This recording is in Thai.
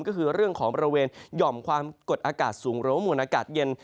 ก็คือเรื่องของบริเวณหย่อมความกดอากาศสูงหรือว่ามวลอากาศเย็น